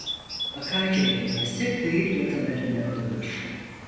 Akarca Yaylası köyün yakınlarında bulunur.